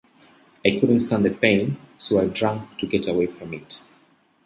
I couldn't stand the pain, so I drank to get away from it.